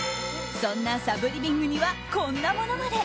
そんなサブリビングにはこんなものまで。